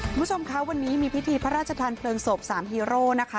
คุณผู้ชมคะวันนี้มีพิธีพระราชทานเพลิงศพสามฮีโร่นะคะ